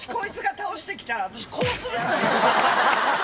倒してきたらこうする。